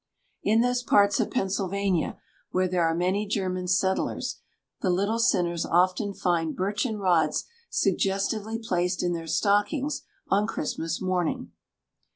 In those parts of Pennsylvania where there are many German settlers, the little sinners often find birchen rods suggestively placed in their stockings on Christmas morning.